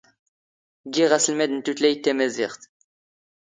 ⴳⵉⵖ ⴰⵙⵍⵎⴰⴷ ⵏ ⵜⵓⵜⵍⴰⵢⵜ ⵜⴰⵎⴰⵣⵉⵖⵜ.